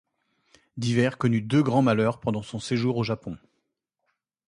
Divers connut deux grands malheurs pendant son séjour au Japon.